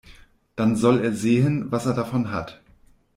Dann soll er sehen, was er davon hat.